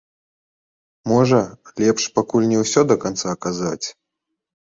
Можа, лепш пакуль не ўсё да канца казаць?